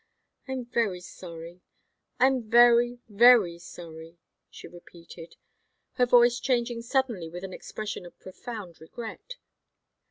I'm very sorry I'm very, very sorry," she repeated, her voice changing suddenly with an expression of profound regret.